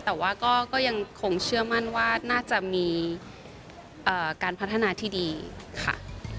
แต่ว่าก็ยังคงเชื่อมั่นว่าน่าจะมีการพัฒนาที่ดีค่ะ